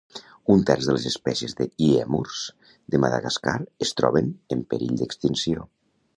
Un terç de les espècies de lèmurs de Madagascar es troben en perill extinció